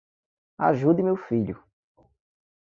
Ajude meu filho